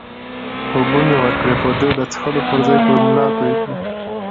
اوبه مې ورکړې، خو ده د څښلو پر ځای پر ملا توی کړې.